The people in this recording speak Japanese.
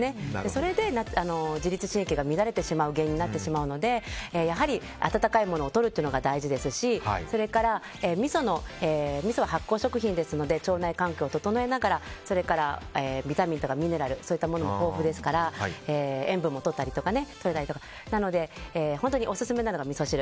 それが自律神経が乱れてしまう原因になってしまうのでやはり温かいものをとるというのが大事ですしそれからみそは発酵食品ですので腸内環境を整えながらそれからビタミンとかミネラルそういったものが豊富ですから塩分もとれたりとか本当にオススメなのがみそ汁。